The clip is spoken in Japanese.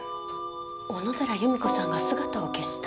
小野寺由美子さんが姿を消した？